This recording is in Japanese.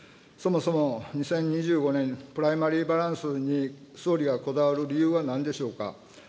そもそも、２０２５年プライマリーバランスに総理がこだわる理由はなんでしょうか。